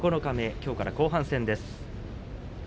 きょうから後半戦です。